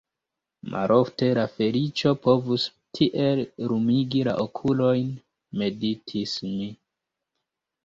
Malofte la feliĉo povus tiel lumigi la okulojn – meditis mi.